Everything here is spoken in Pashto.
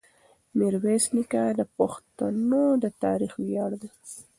میرویس نیکه د پښتنو د تاریخ ویاړ دی.